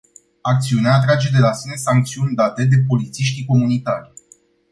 Acțiunea atrage de la sine sancțiuni date de polițiștii comunitari.